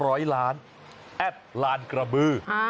ร้อยล้านแอปลานกระบือ